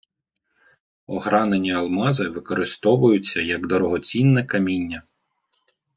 Огранені алмази використовується як дорогоцінне каміння